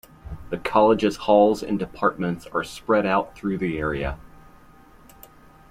The college's halls and departments are spread out through the area.